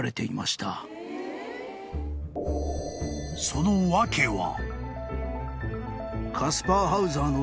［その訳は？］